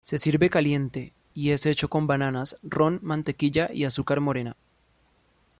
Se sirve caliente y es hecho con bananas, ron, mantequilla, y azúcar morena.